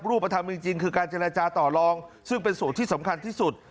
รูปธรรมจริงคือการเจรจาต่อลองซึ่งเป็นส่วนที่สำคัญที่สุด